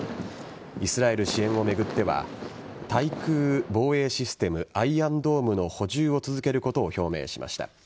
イスラエル支援を巡っては対空防衛システムアイアンドームの補充を続けることを表明しました。